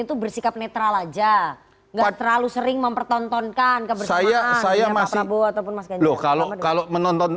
itu bersikap netral saja tidak terlalu sering mempertontonkan kebersamaan pak prabowo ataupun mas ganjar